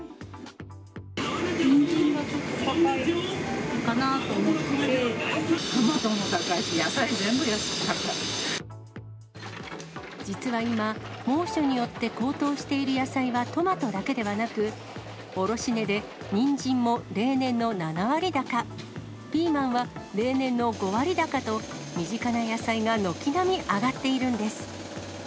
ニンジンがちょっと高いかなトマトも高いし、野菜全部高実は今、猛暑によって高騰している野菜はトマトだけではなく、卸値でニンジンも例年の７割高、ピーマンは例年の５割高と、身近な野菜が軒並み上がっているんです。